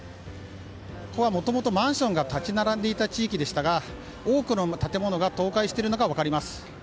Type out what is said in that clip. ここはもともと、マンションが立ち並んでいた地域でしたが多くの建物が倒壊しているのが分かります。